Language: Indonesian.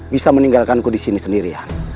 bisa meninggalkanku di sini sendirian